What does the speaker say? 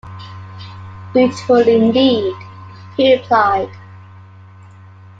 ‘Beautiful indeed,’ he replied.